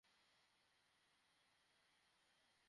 না, এখন আসতে পারবেন না।